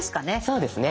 そうですね